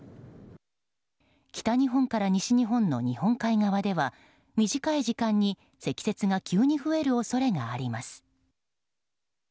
北日本から西日本の日本海側では短い時間に積雪が急に増える恐れがあります。